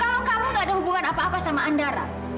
kalau kamu gak ada hubungan apa apa sama andara